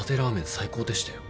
最高でしたよ。